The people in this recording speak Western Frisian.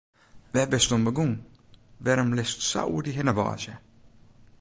Wêr bist oan begûn, wêrom litst sa oer dy hinne wâdzje?